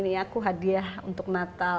nih aku hadiah untuk natal